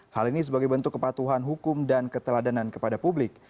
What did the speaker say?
hal ini sebagai bentuk kepatuhan hukum dan keteladanan kepada publik